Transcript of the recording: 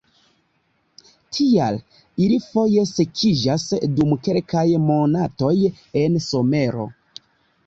Tial, ili foje sekiĝas dum kelkaj monatoj en somero.